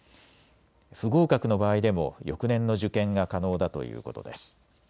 不合格の場合でも翌年の受験が可能だということです。